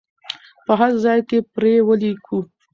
په هر ځای کې پرې ولیکو.